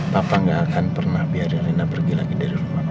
papa gak akan pernah biarin reina pergi lagi dari rumah papa